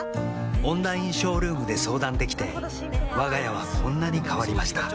オンラインショールームで相談できてわが家はこんなに変わりました